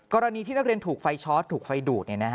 กรณีที่นักเรียนถูกไฟช็อตถูกไฟดูด